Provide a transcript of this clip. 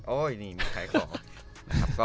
โอ้ยนี่มีใครขอ